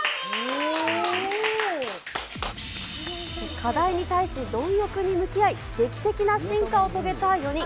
課題に対しどん欲に向き合い、劇的な進化を遂げた４人。